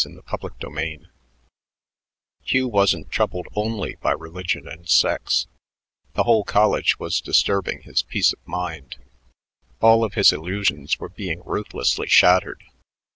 CHAPTER XVI Hugh wasn't troubled only by religion and sex; the whole college was disturbing his peace of mind: all of his illusions were being ruthlessly shattered.